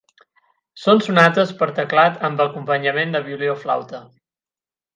Són sonates per a teclat amb acompanyament de violí o flauta.